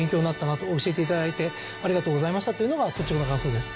教えて頂いてありがとうございましたというのが率直な感想です。